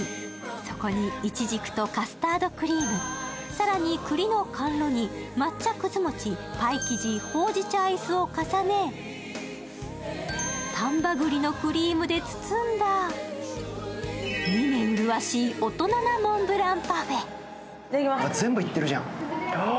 そこにいちじくとカスタードクリーム、更に栗の甘露煮、抹茶くず餅、パイ生地、ほうじ茶アイスを重ね、丹波栗のクリームで包んだ、見目麗しい大人なモンブランパフェ。